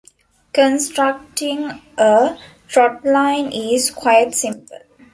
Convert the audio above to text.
Constructing a trotline is quite simple.